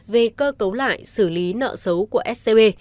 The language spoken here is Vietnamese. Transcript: về cơ cấu lại xử lý nợ xấu của scb